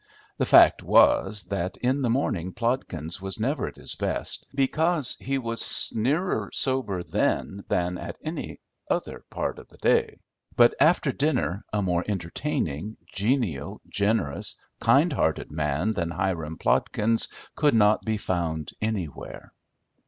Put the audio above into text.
The fact was, that in the morning Plodkins was never at his best, because he was nearer sober then than at any other part of the day; but, after dinner, a more entertaining, genial, generous, kind hearted man than Hiram Plodkins could not be found anywhere.